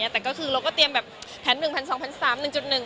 แต่ก็คือเราก็เตรียมแบบแผนหนึ่งแผนสองแผนสาม